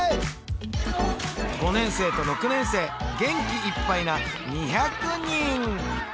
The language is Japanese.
５年生と６年生元気いっぱいな２００人。